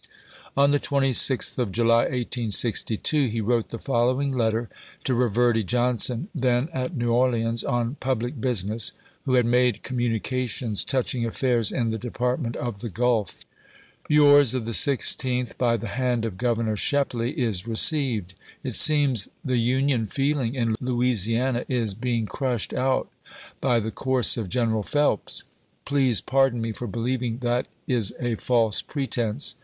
On the 26th of July, 1862, he wHL'ote the following letter to Reverdy Johnson, then at New Orleans on public business, who had made communications touching affairs in the Department of theOulf: Yours of the 16th, by the hand of Governor Shepley, is received. It seems the Union feeling in Louisiana is be ing crushed out by the course of General Phelps. Please pardon me for believing that is a false pretense.